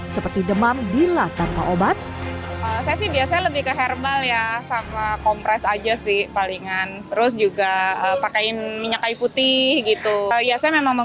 sehat dan berusaha mencari obat sirop